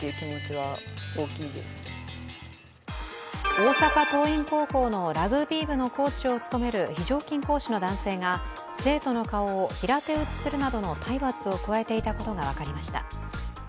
大阪桐蔭高校のラグビー部のコーチを務める非常勤講師の男性が生徒の顔を平手打ちするなどの体罰を加えていたことが分かりました。